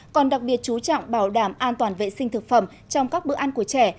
còn đặc biệt chú trọng bảo đảm an toàn vệ sinh thực phẩm trong các bữa ăn của trẻ